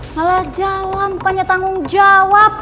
malah jalan pokoknya tanggung jawab